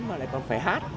mà lại còn phải hát